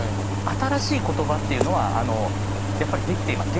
新しい言葉っていうのはやっぱりできています。